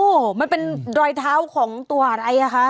โอ้โหมันเป็นรอยเท้าของตัวอะไรอ่ะคะ